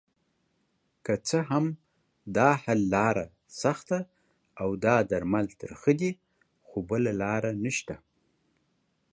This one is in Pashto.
که څه هم داحل لاره سخته اودا درمل ترخه دي خو بله لاره نشته